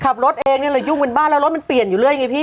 ขับรถเองเนี่ยเลยยุ่งเป็นบ้านแล้วรถมันเปลี่ยนอยู่เรื่อยไงพี่